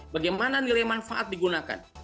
bagaimana nilai manfaat digunakan